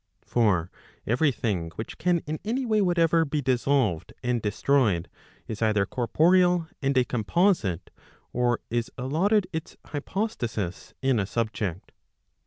For every thing which can in any way whatever be dissolved and destroyed, is either corporeal and a composite, or is allotted its hypostasis in a subject.